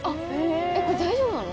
これ大丈夫なの？